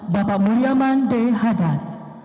bapak mulyaman d hadad